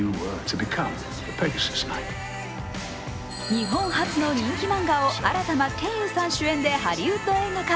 日本発の人気漫画を新田真剣佑さん主演でハリウッド映画化。